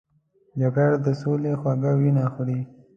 جګړه د سولې خوږه وینه خوري